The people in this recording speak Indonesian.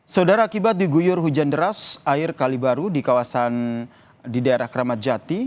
saudara akibat diguyur hujan deras air kali baru di kawasan di daerah keramat jati